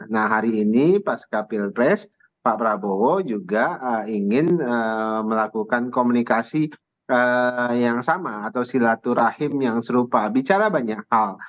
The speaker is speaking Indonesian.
nah hari ini pasca pilpres pak prabowo juga ingin melakukan komunikasi yang sama atau silaturahim yang serupa bicara banyak hal